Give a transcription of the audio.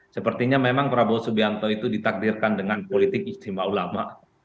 sepertinya memang prabowo subianto itu ditakdirkan dengan politik istimewa ulama